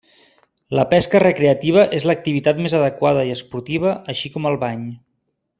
La pesca recreativa és l'activitat més adequada i esportiva així com el bany.